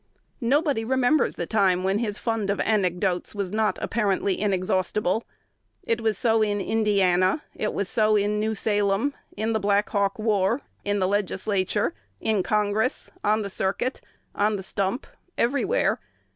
Nobody remembers the time when his fund of anecdotes was not apparently inexhaustible. It was so in Indiana; it was so in New Salem, in the Black Hawk War, in the Legislature, in Congress, on the circuit, on the stump, everywhere.